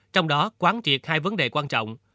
trong đó quán triệt hai vấn đề quan trọng